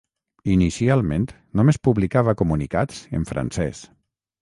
Inicialment només publicava comunicats en francès.